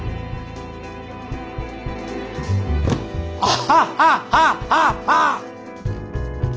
アハハハハハ！